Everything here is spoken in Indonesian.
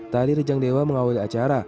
tali rejang dewa mengawali acara